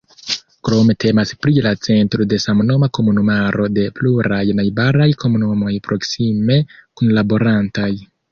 Krome temas pri la centro de samnoma komunumaro de pluraj najbaraj komunumoj proksime kunlaborantaj.